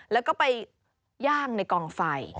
แล้วก็ไปย่างในกองไฟ